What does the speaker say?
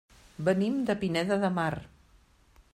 Venim de Pineda de Mar.